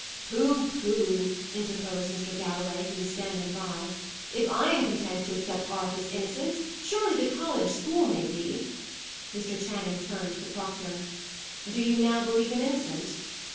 "Pooh, pooh!" interposed Mr. Galloway, who was standing by. "If I am content to accept Arthur's innocence, surely the college school may be." Mr. Channing turned to the proctor. "Do you now believe him innocent?"